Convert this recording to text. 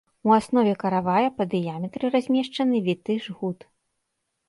У аснове каравая па дыяметры размешчаны віты жгут.